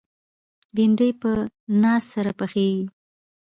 بېنډۍ په ناز سره پخېږي